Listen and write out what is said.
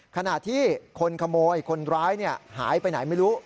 ขณะที่คนขโมยคนร้ายหายไปไหนไม่รู้